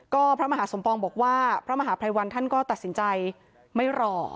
ก็พระมหาสมปองบอกว่าพระมหาภัยวันท่านก็ตัดสินใจไม่รอ